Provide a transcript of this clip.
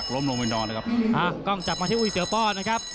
กล้องจับมาที่อุ๊ยเสือป้อนนะครับ